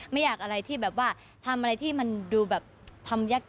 ไม่อยากอะไรที่แบบว่าทำอะไรที่มันดูแบบทำยาก